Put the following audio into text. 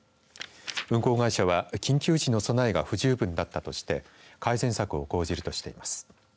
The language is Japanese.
運航会社は緊急時の備えが不十分だったとして改善策を講じるとしています。